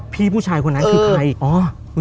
พี่ผู้ชายคนนั้นคือใคร